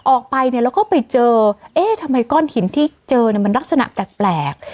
ออกไปเนี่ยแล้วก็ไปเจอเอ๊ะทำไมก้อนหินที่เจอเนี่ยมันลักษณะแปลก